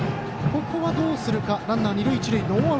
ここはどうするか。